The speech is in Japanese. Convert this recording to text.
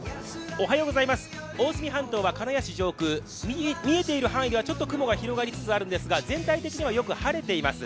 大隅半島は鹿屋市上空、見えている範囲では雲が広がりつつあるんですが全体的にはよく晴れています。